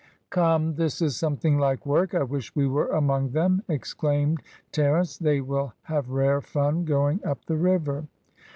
"Come, this is something like work; I wish we were among them," exclaimed Terence; "they will have rare fun going up the river."